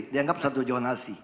dianggap satu jonasi